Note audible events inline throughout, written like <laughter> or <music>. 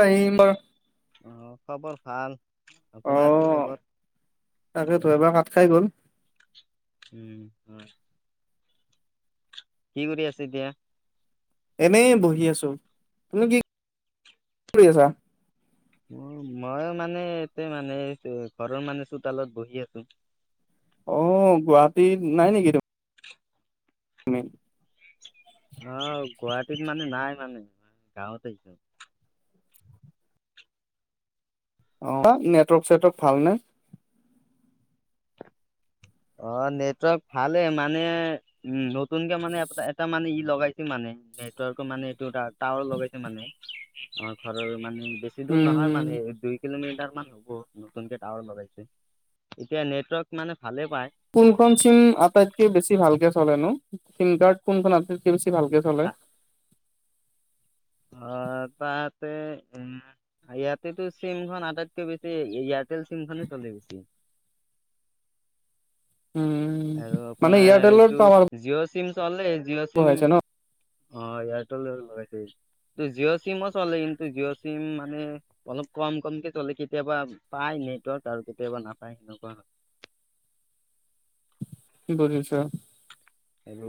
আহিম বাৰু অহ, খবৰ ভাল। আপোনাৰ কি খবৰ? তাকেইেতো এবাৰ কাত খাই গ'ল। উম, হয়। কি কৰি আছে এতিয়া? এনেই বহি আছো। তুমি কি কৰি আছা? মই মানে এতে মানে ঘৰৰ মানে চোতালত বহি আছোঁ। অ', গুৱাহাটীত নাই নেকি তু তুমি? অহ, গুৱাহাটীত মানে নাই মানে মই গাঁৱতে আও। অ', নেটৱৰ্ক-চেটৱৰ্ক ভাল নে? অ', নেটৱৰ্ক ভালে। মানে উম, নতুনকে মানে এটা মানে ই লগাইছিল মানে। নেটৱৰ্ক মানে এইটো টাৱাৰ লগাইছে মানে। অ', ঘৰৰ মানে। বেছি দূৰ নহয় উম, মানে দুই কিলোমিটাৰ মান হ'ব। নতুনকে টাৱাৰ লগাইছে। এতিয়া নেটৱৰ্ক মানে ভালে পায়। কোনখন চিম আটাইতকে বেছি ভালকে চলেনো? চিম কাৰ্ড কোনখন আটাইতকে বেছি ভালকে চলে? অ', তাতে উম ইয়াতেইতো চিমখন আটাইতকৈ বেছি ইয়াৰটেল চিমখনে চলে বে। <inaudible> উম, মানে এইটো ইয়াৰটেলত পাৱাৰ জিঅ' চিম চলে জিঅ' চিম অ', এয়াৰটেলে লগাইছে। তো জিঅ' চিমো চলে। কিন্তু জিঅ' চিম মানে অলপ কম কমকে চলে। কেতিয়াবা পায় নেটৱৰ্ক আৰু কেতিয়াবা নাপায় সেনেকুৱা হয়। <inaudible> কি কৰি আছা? আৰু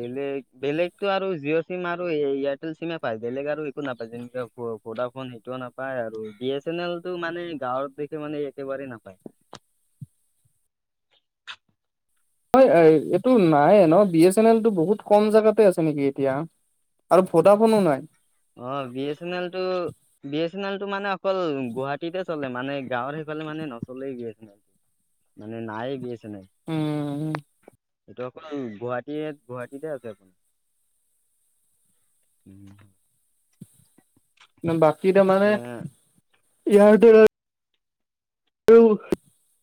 বেলেগ বেলেগটো আৰু জিঅ' চিম আৰু এ এয়াৰটেল চিমে পায় বেলেগ আৰু একো নাপায়। তেনেকে ভোডা ফোন সেইটোও নাপায়। আৰু বি এছ এন এলটো মানে গাঁৱৰ দিশে মানে একেবাৰেই নাপায়। <inaudible> হয় হয়। এইটো নাই ন বি এছ এন এলটো বহুত কম জেগাতে আছে নেকি এতিয়া? আৰু ভডাফোনো নাই। অ', বি এছ এন এলটো বি এছ এন এলটো মানে অকল গুৱাহাটীতে চলে। মানে গাঁৱৰ সিফালে মানে নচলেই বি এছ এন এল। মানে নাই বি এছ এন এল উম। এইটো আপোনাৰ গুৱাহাটীয়ে গুৱাহাটীতে আছে আপোনাৰ। উম। বাকী তাৰমানে এতিয়া ইয়াৰতেল <unintelligible>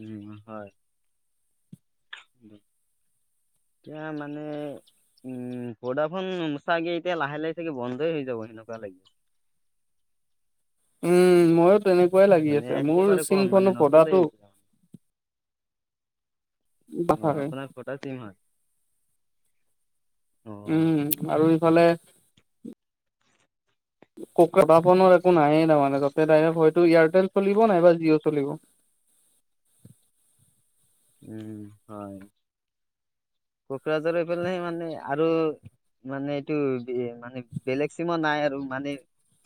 উম, হয়। এতিয়া মানে উম, ভদাফোন <unintelligible> এতিয়া লাহে লাহে চাগে বন্ধই হৈ যাব সেনেকুৱা লাগে। উম, ময়ো তেনেকুৱাই লাগি মানে আছে মোৰ একেবাৰে কম মানে চিমখনো নচলেই ভদাটো। এতিয়া অ', নাথাকে। আপোনাৰ ভদা চিম হয়? অ উম, আৰু ইফালে <unintelligible> ফোনৰ একো নায়েই তাৰমানে তাতে <unintelligible> হয়তো এয়াৰটেল চলিব নাইবা জিঅ' চলিব। উম, হয়। কোকৰাঝাৰ হৈ <unintelligible> মানে আৰু মানে এইটো মানে বেলেগ চিমৰ নাই আৰু মানে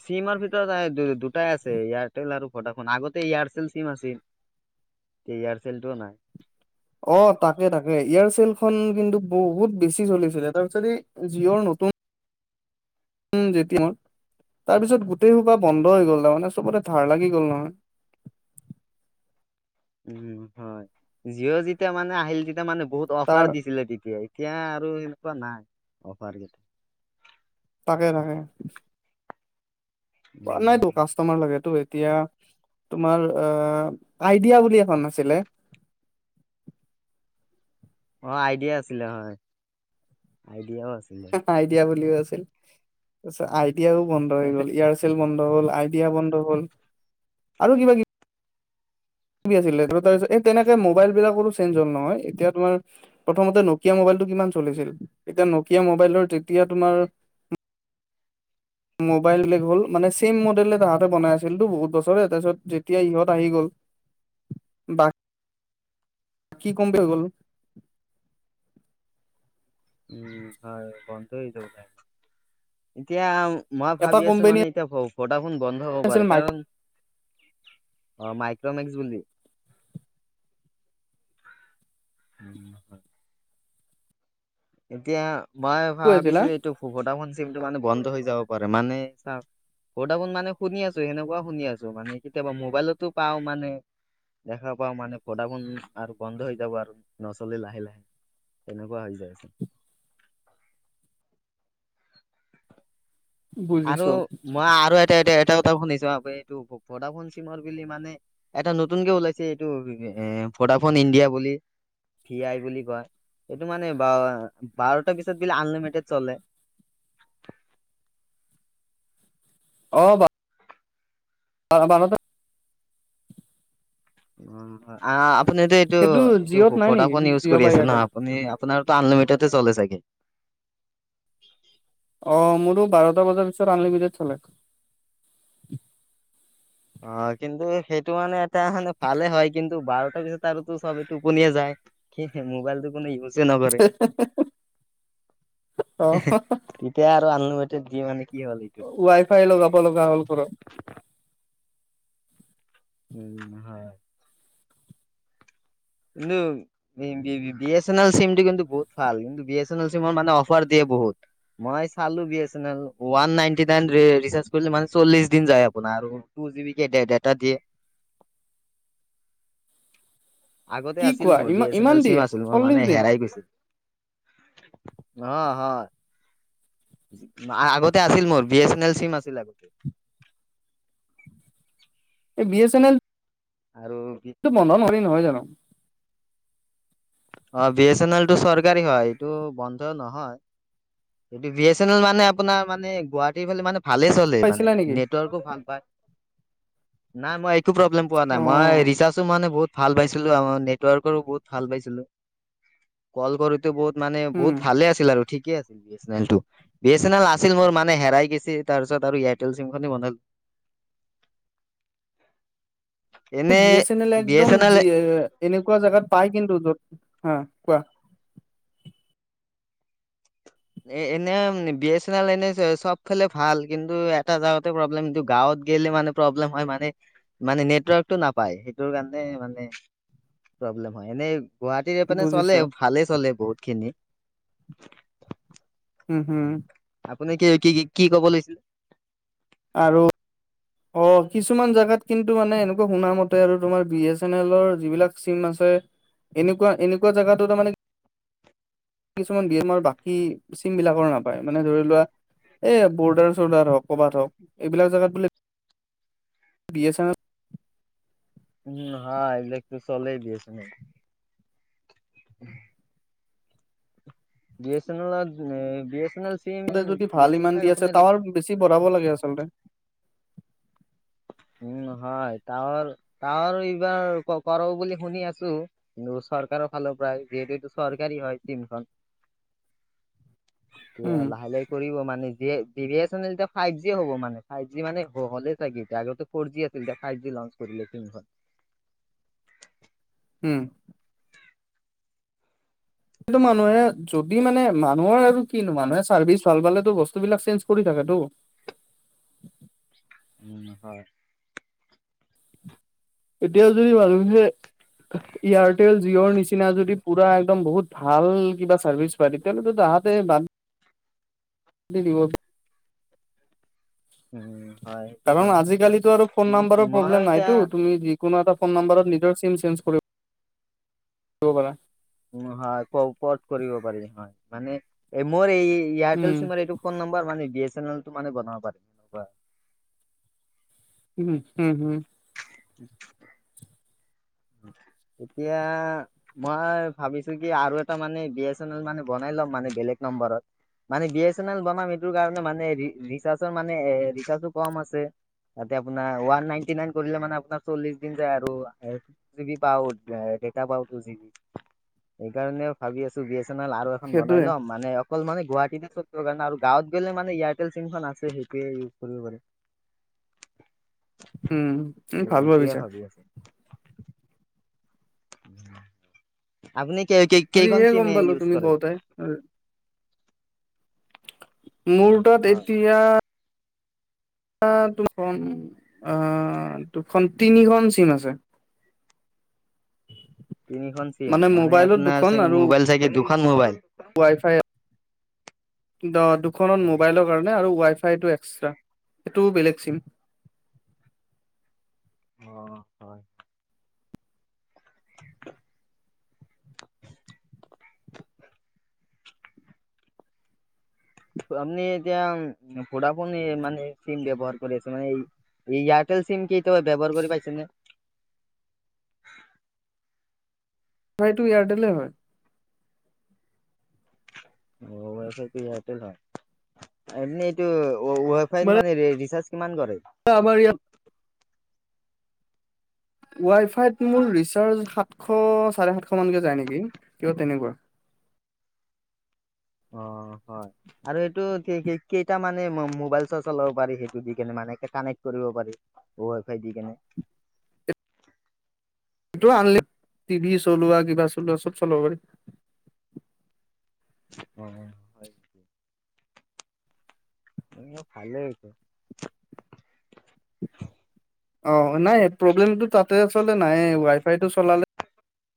চিমৰ ভিতৰত দু-দুটাই আছে এয়াৰটেল আৰু ভ'দাফোন আগতে এয়াৰচেল চিম আছিল। তে এয়াৰ চেলটোও নাই। অ', তাকে, তাকে, এয়াৰচেলখনন কিন্তু বহুত বেছি চলিছিলে তাৰপিছত এই জিঅ'ৰ নতুন উম যেতিয়া মই তাৰ পিছত গোটেই সোপা বন্ধ হৈ গ'ল তাৰমানানে চবতে ধাৰ লাগি গ'ল নহয় উম, হয় জিঅ' যেতিয়া মানে আহিল তেতিয়া মানে বহুত অফাৰ তাৰ দিছিলে তেতিয়াই এতিয়া আৰু সনেকুৱা নাই অফাৰ কেইটা তাকে, তাকে, নাই তো উম কাষ্টমাৰ লাগে তো এতিয়া তোমাৰ অ', ইডিয়া বুলি এখন আছিলে অ', ইডিয়া আছিলে হয় আইডিয়াও আছিলে আইডিয়া বুলিও আছিল তাৰিছত আইডিয়াও বন্ধ হৈ গ'ল, এয়াৰচেল বন্ধ হ'ল আই বিয়া বন্ধ হ'ল আৰু কিবা-কিবি তেনেকে মোবাইল বিলাকো চেঞ্জ হ'ল নহয় এতিয়াাৰ প্ৰথমতে ন মোবাইল কি চলিছিল এতিয়া নকিয় মবাইলৰ যেতিয়া তোমাৰ মোবাইল বেলেগ হ'ল মানে চছেম মডেল তাহাঁতে বনাই আছিলতো বহুত বছৰে তাৰপিছত যেতিয়া ইহঁত আহি গ'ল কি কম্ব হৈ গ'ল উম, হয় বন্ধ য এতিয়া মই এটা ভাবি আছো কোম্পানী মানে এতিয়া ভডা নোন বন্ধ হ'ব আছিল পাৰে কাৰণ মাইক্ৰ অ', মীইক্ৰমেক্স বুলি উম, এতিয়া মই আছিল ভাবিছো হা যে এইটো চিমটো মানে বন্ধ হৈ যাব পাৰে, মানে চাও তাবোন মানে শুনি আছো সেনেকুৱা শুনি আছো মানে কেতিয়াবা মোবাইলতো পাও মানে দেখা পাও মানে ফডফোন আৰু বন্ধ হৈ যাব আৰু নচলেি লাহে লাহে তেনেকুৱা হৈ যায়ছে আৰু, বুজিছো মই আৰু এটা এতিয়া এটা ফ হিচাপ এইটোফ চিমৰ বুলি মানে এটা নতুনকে ওলাইছে এইটো এ ফোন ইণ্ডিয়া বুলি ভি আই বুলি কয় এইটো মানে ব বাৰটাাৰ পিছত বিলে আনলিমিটেড চলে অ', বা ভালতে উ, আপুনি এইটো সেইটো এইটো জিঅ'ত নাই নেকি ভডফোন ইউজ জিঅ' কৰি বা আছে ন এয়াৰটেল আপুনি আপোনাৰো আনলিমিটেড চলে চাগে <inaudible> অ মোৰো বাৰটা বজাৰ পিছত আনলিমিটেড চলে অ কিন্তু সেইটো মানে এটা মানে ভালে হয় কিন্তু বাৰটাৰ পিছত আৰুো চবেই পনিয়ে যায় স মোবাইলটো কোনো ইউজ নৰে অ তেতিয়া আৰু আনলিমেটে দি মানে কি হ'ল এইটো। ৱাই ফাই লগোকপ লগোকা হল কৰ উম হয় কিন্তু B A N L sim টো কিন্তু বহুত ভাল কিন্তু B A A L sim মানে অফাৰ দিয়ে বহুত মই চালো বি এ এন এল ও নাইনটি নন কৰি মানে চল্লিশ দিন যায় আপোনাৰ জ ডাটা দিয়ে আগতে কি আছিল কোৱা মোৰ বি ইমান এছ এন ইমান এল চিম দিয়ে আছিল মই চল্লিশ মানে দিন হেৰাই গৈছিল আহ হয় আগতে আছিল মোৰ B S N L sim আছিল আগতে এই বি এছ এন এল আৰু টো বন্ধন হ নহয় জানো অ বি এছ এন এল টো চৰকাৰী হয় এইটো বন্ধ নহয় এইটো ভ এছ এন এল মানে আপোনাৰ মানে গুৱাহাটীৰ ফালে মানে ভালে চলে মানে পাইছিলা নেকি নেটৱৰ্কো ভাল পায় নাই মই প্ৰ্লেম পোৱা অ নাই মই ৰিচাৰ্জো মানে বহুত ভাল পাইছিলো আমাৰ নেটৱৰ্কৰো বহুত ভাল পাইছিলো কল কৰ ো বহুত মানে বহুত উম ভালে আছিল আৰু ঠিক বি এন এল আছিল মোৰ মানে হেৰাই কেছে তাৰ পিছত আৰু এয়াৰটেল চিম খি বনালো উম বি এছ এন এল একদম যি এ এনেকুৱা জোগাত পায় কিন্তু য'ত হা কোৱা এ এনে বি এছ এন এল এনে চব খেলে ভাল কিন্তু এটা জগাতে প্ৰব্লেম কিন্তু গাঁৱত গলে মানে প্ৰব্লেম হয় মানে মানে নেটৱৰ্কটো নাপায় সেইটোৰ কাৰণে মানে প্ৰব্লেম হয় এনে গুৱাহাটীত মানে চলে বুজিছো ভালেই চলে বহুত খিনি উম হুম আপুনি কি কি কি কি ক'ব লাগিছিলে আৰু অ কিছুমান জোগাত কিন্তু মানে এনেকুৱা শুনা মতে আৰু তোমাৰ বি এছ এন এলৰ যিবিলাক চিম আছে এনেকুৱা এনেকুৱা জোগাতো তাৰ মানে কিছুমান বয়াম আৰু বাকী চিম বিলাকৰ নাপায় মানে ধৰি লোৱা এ বৰ্ডাৰ চৰ্দাৰ হওক কবাত হওক এইবিলাক জাগাত বুলি বি এছ এন এল উম হা এইিল একো চলেই দিয়ছে ন B S N L B S N L sim ততে যদি ভাল ইমান বেছিভাগ দি আছে আপোনাৰ এই- তাৰ বেছি বঢ়াব লাগে আচলতে উম হয় তাহৰ তাহৰ এইবাৰ কৰো বুলি শুনি আছো কিন্তু ওচ চৰকাৰৰ ফালৰ পৰাায় যিহেতু এইটো চৰকাৰী হয় িমখন এয়া উম লাহে লাহে কৰিব মানে ভি ভ এছ এনেল এতিয়া ফাইভ জিয় হ'ব মানে ফাইভ জি মানে হ'লেই থাগে এতিয়া আগতো ফ জি আছিল ফাইভ জি লঞ্চ কৰিলেিম উম কিন্তু মানুহে যদি মানে মানুহৰ আৰু কিনো মানুহে চাৰ্ভিচ ভাল পালো বস্তু বিলাক চেঞ্জ কৰি থাক ো উ নহ এতিয়াও যদি ভাবো যে এয়াৰটেল জিঅ'ৰ নিচিনা যদি পুৰা একদম বহুত ভাল কিবা চাৰ্ভিচ পায় <unintelligible> <unintelligible> উম হয় সেইটো হয় কাৰণ আজিকালিটো আৰু ফোন নাম্বাৰৰ মই প্ৰব্লেম এতিয়া নাইতো। তুমি যিকোনো এটা ফোন নম্বৰত নিজৰ চিম চেঞ্জ পৰা। উ হয় প-পত কৰিব পাৰি হয়। মানে এই মোৰ এই এয়াৰটেল উম চিমৰ এইটো ফোন নাম্বাৰ মানে বি এছ এন এলটো মানে বনাব পাৰিম এনেকুৱা। উম হুম। <unintelligible> এতিয়া মই ভাবিছো কি আৰু এটা মানে বি এছ এন এল মানে বনাই মানে বেলেগ নম্বৰত। মানে বি এছ এন এল বনাম এইটোৰ কাৰণে মানে ৰিচাৰ্জৰ মানে এ ৰিচাৰ্জো কম আছে। তাতে আপোনাৰ ওৱান নাইনটি নাইন কৰিলে মানে আপোনাৰ চল্লিশ দিন যায় আৰু। পাওঁ ডেটা পাওঁ টু জি বি। সেইকাৰণে ভাবি আছো আৰু এখন বনাই সেইটোয়ে ল'ম মানে অকল মানে গুৱাহাটীতে কৰণে আৰু গাঁৱত গ'লে মানে এয়াৰটেল চিমখন আছে সেইটোৱে ইউজ কৰিব পাৰে। উম। ভাল ভাবিছা। আছো। আপনি কে-কেই-কেইখন আজিহে গম চিমে পালো ইউজ তুমি কৰে? কওঁতে মোৰ উম তাত হয়। এতিয়া <unintelligible> তিনিখন চিম আছে। <inaudible> তিনিখন চিম, মানে মোবাইলত আপোনাৰ দুখন চাগে আৰু মোবাইল চাগে দুখন মোবাইল। ৱাই ফাই দ-দুখনত অ', মোবাইলৰ কাৰণে আৰু ৱাই ফাইটো এক্সট্ৰা। সেইটোও বেলেগ চিম। <inaudible> অ হয়। <unintelligible> আপনি এতিয়া ভোডাফোন মানে চিম ব্যৱহাৰ কৰি আছে মানে এই এই এয়াৰটেল চিম কিটো ব্যৱহাৰ কৰি পাইছনে? সেইটো ইয়াৰতেলে হয়। অ ৱাই ফাইটো ইয়াৰতেল হয়। আপুনি এইটো ৱাই ফাইত মানে ৰিচাৰ্ছ আমাৰ ইয়াত ৱাইফাইত মোৰ ৰিচাৰ্ছ সাতশ চাৰে সাতশমান কে যায় নেকি কিবা তেনেকুৱা। <inaudible> অ হয় আৰু এইটো কে-কে-কেইটা মানে মোবাইল চ-চলাব পাৰি সেইটো দি কেনে মানে কানেক্ট কৰিব পাৰি ৱাই ফাই দি কেনে? ইটো আন- টিভি চলোৱা, কিবা চলোৱা চব চলাব পাৰি। অ হয়। উম ভালে ইটো। অ নাই প্ৰব্লেমটো তাতে আচলতে নাইয়ে। ৱাই ফাইটো চলালে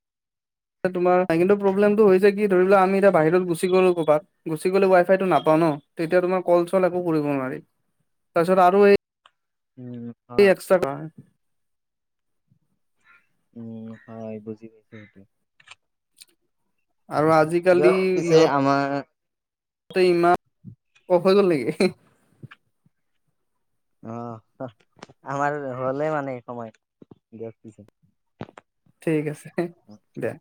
<inaudible> তোমাৰ কিন্তু প্ৰব্লেমটো হৈছে কি ধৰি লোৱা আমি এতিয়া বাহিৰত গ'লো ক'ৰবাত গুচি গ'লে ৱাই ফাইটো নাপাওঁ ন। তেতিয়া তোমাৰ কল-চল একো কৰিব নোৱাৰি। তাৰপিছত আৰু এই উম, এই হয়, এক্সট্ৰা উম হয় বুজি পাইচো সেইটো। আৰু আজিকালি দিয়ক পিছে ইহঁত আমাৰ ত ইমান- অ হৈ গ'ল নেকি? অহ, আমাৰ হলেই মানে এই সময় দি ঠিক আছে দে।